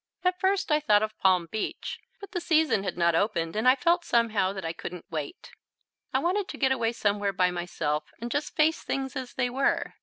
At first I thought of Palm Beach, but the season had not opened and I felt somehow that I couldn't wait. I wanted to get away somewhere by myself and just face things as they were.